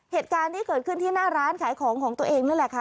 เหตุการณ์ที่เกิดขึ้นที่หน้าร้านขายของของตัวเองนั่นแหละค่ะ